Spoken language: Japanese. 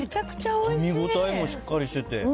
かみ応えもしっかりしてて。